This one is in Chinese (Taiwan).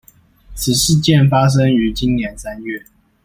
此事件發生於今年三月